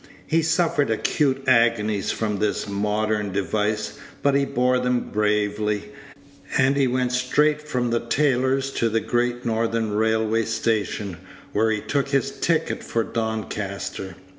He suffered acute agonies from this modern device, but he bore them bravely; and he went straight from the tailor's to the Great Northern Railway Station, where he took his ticket for Doncaster.